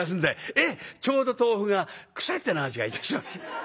「ええちょうど豆腐が腐ったような味がいたします」。